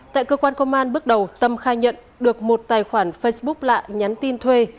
tại cơ quan công an bước đầu tâm khai nhận được một tài khoản facebook lạ nhắn tin thuê